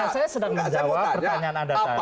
saya sedang menjawab pertanyaan anda saya